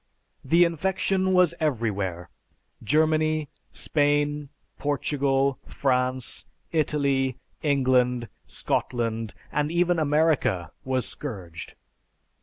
The infection was everywhere Germany, Spain, Portugal, France, Italy, England, Scotland, and even America was scourged.